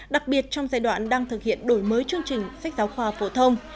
đặc biệt trong giai đoạn đang thực hiện đổi mới chương trình sách giáo khoa phổ thông